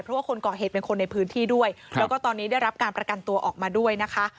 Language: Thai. เพราะว่าคนก่อเหตุเป็นคนในพื้นที่ด้วยแล้วก็ตอนนี้ได้รับการประกันตัวออกมาด้วยนะคะ